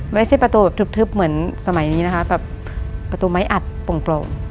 ไม่ใช่ประตูแบบทึบเหมือนสมัยนี้นะคะแบบประตูไม้อัดโปร่ง